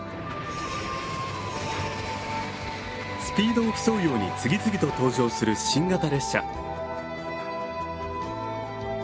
スピードを競うように次々と登場する新型列車。